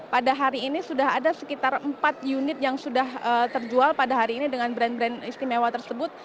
pada hari ini sudah ada sekitar empat unit yang sudah terjual pada hari ini dengan brand brand istimewa tersebut